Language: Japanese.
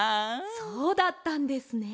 そうだったんですね。